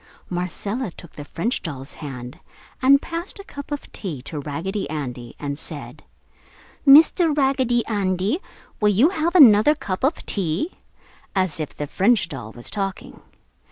Marcella took the French doll's hand, and passed a cup of "tea" to Raggedy Andy, and said, "Mr. Raggedy Andy, will you have another cup of tea?" as if the French doll was talking.